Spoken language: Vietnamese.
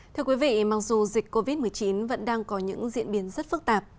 thưa quý vị mặc dù dịch covid một mươi chín vẫn đang có những diễn biến rất phức tạp